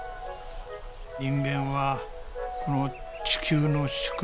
人間はこの地球の仕組み